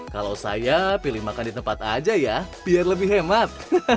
kalau saya pilih makan di tempat aja ya biar lebih hemat